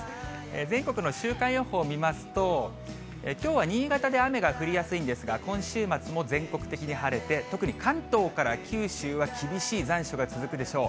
全国の週間予報を見ますと、きょうは新潟で雨が降りやすいんですが、今週末も全国的に晴れて、特に関東から九州は厳しい残暑が続くでしょう。